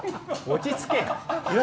落ち着け！